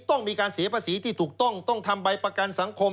ต้องมีการเสียภาษีที่ถูกต้องต้องทำใบประกันสังคม